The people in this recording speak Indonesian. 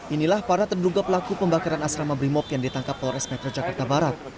inilah para terduga pelaku pembakaran asrama brimob yang ditangkap polres metro jakarta barat